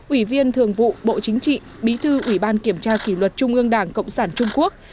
ủy viên thường vụ bộ chính trị bí thư ủy ban kiểm tra kỷ luật trung ương đảng cộng sản trung quốc